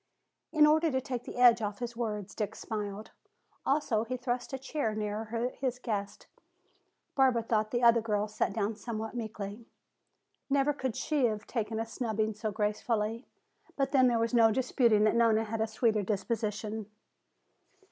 In order to take the edge off his words Dick smiled. Also he thrust a chair nearer his guest. Barbara thought the other girl sat down somewhat meekly. Never could she have taken a snubbing so gracefully. But then there was no disputing that Nona had the sweeter disposition.